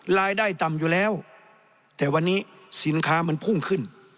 รายได้ต่ำอยู่แล้วแต่วันนี้สินค้ามันพุ่งขึ้น